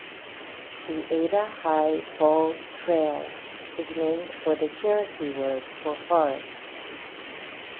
The Ada-Hi Falls Trail is named for the Cherokee word for forest.